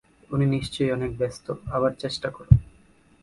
উনি নিশ্চয়ই অনেক ব্যস্ত, আবার চেষ্টা কর।